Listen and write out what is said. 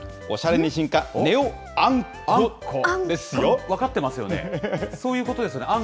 おしゃれに進化、あんこ？分かってますよね、そういうことですよね。